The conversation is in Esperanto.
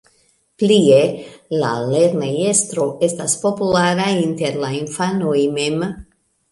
Plie, la lernejestro estas populara inter la infanoj mem.